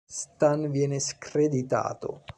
Stan viene screditato.